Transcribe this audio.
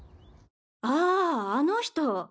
あぁあの人？